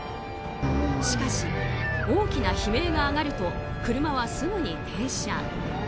しかし、大きな悲鳴が上がると車はすぐに停車。